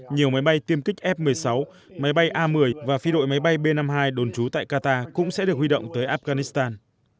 nhiều máy bay tiêm kích f một mươi sáu máy bay a một mươi và phi đội máy bay b năm mươi hai đồn trú tại qatar cũng sẽ được huy động tới afghanistan